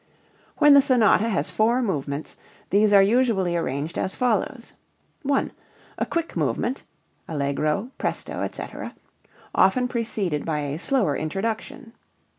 When the sonata has four movements, these are usually arranged as follows: 1. A quick movement (allegro, presto, etc.), often preceded by a slower introduction.